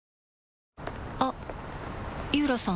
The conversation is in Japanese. あっ井浦さん